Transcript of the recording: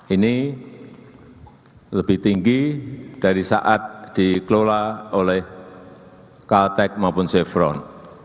ini lebih tinggi dari saat dikelola oleh kaltek maupun chevron